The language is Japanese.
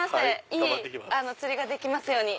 いい釣りができますように。